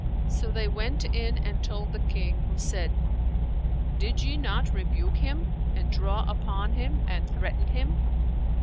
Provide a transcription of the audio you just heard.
So they went in and told the King, who said, "Did ye not rebuke him and draw upon him and threaten him!"